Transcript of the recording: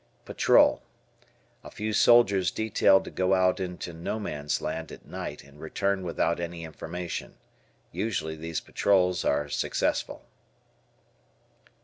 Patrol. A few soldiers detailed to go out in "No Man's Land," at night and return without any information. Usually these patrols are successful.